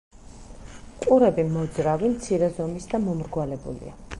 ყურები მოძრავი, მცირე ზომის და მომრგვალებულია.